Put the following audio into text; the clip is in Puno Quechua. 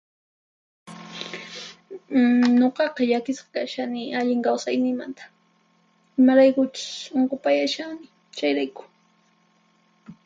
Nuqaqa llakisqa kashani allin kawsayniymanta, imaraykuchus unqupayashani, chayrayku.